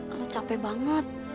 alah capek banget